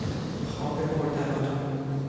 خواب پر تلاطم